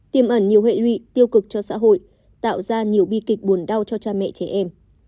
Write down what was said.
tiêm ẩn nhiều hệ lụy tiêu cực cho xã hội tạo ra nhiều bi kịch buồn đau cho cha mẹ trẻ em